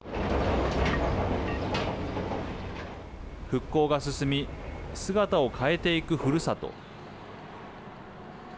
復興が進み姿を変えていくふるさと。